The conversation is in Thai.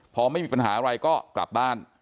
พอไม่มีปัญหาอะไรก็กลับบ้าน